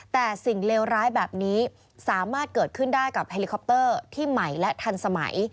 แต่สิ่งเลวร้ายแบบนี้สามารถเกิดขึ้นได้กับเฮลิคอปเตอร์ที่ใหม่และทันสมัย